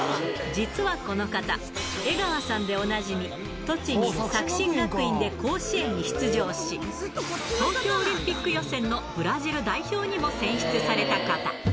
実はこの方、江川さんでおなじみ、栃木・作新学院で甲子園に出場し、東京オリンピック予選のブラジル代表にも選出された方。